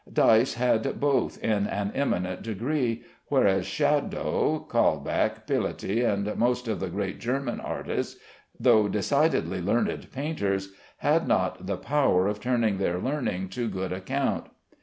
Dyce had both in an eminent degree, whereas Schadow, Kaulbach, Piloty, and most of the great German artists, though decidedly learned painters, had not the power of turning their learning to good account.